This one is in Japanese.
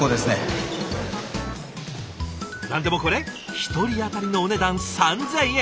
何でもこれ１人当たりのお値段３，０００円。